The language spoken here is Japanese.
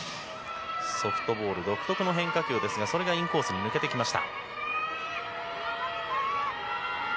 ソフトボール独特の変化球ですがそれがインコースに抜けていきました。